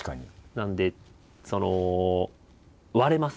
なのでその割れます